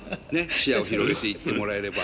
視野を広げていってもらえれば。